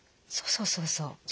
そうそうそうそう。